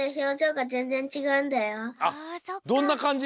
どんなかんじ？